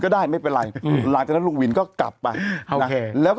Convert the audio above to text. ขอตังค์ลุงตลอด๑๒๔๕๐๐พิมพ์